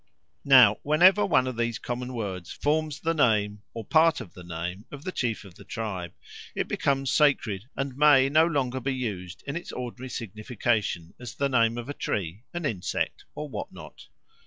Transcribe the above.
Now, whenever one of these common words forms the name or part of the name of the chief of the tribe, it becomes sacred and may no longer be used in its ordinary signification as the name of a tree, an insect, or what not.